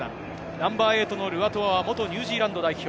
ナンバー８のルアトゥアは元ニュージーランド代表。